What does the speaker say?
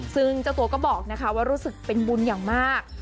ซึ่งเจ้าตัวก็บอกนะคะว่ารู้สึกเป็นบุญอย่างมาก